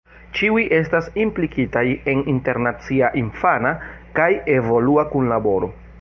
Ĉiuj estas implikitaj en internacia infana kaj evolua kunlaboro.